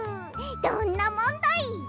どんなもんだい！